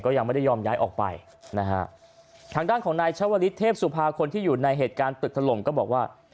ยังไม่ได้ยอมย้ายออกไปนะฮะทางด้านของนายชาวลิศเทพสุภาคนที่อยู่ในเหตุการณ์ตึกถล่มก็บอกว่า